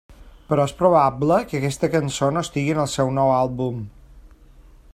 Però és probable que aquesta cançó no estigui en el seu nou àlbum.